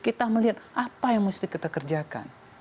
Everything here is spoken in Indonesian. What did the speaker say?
kita melihat apa yang mesti kita kerjakan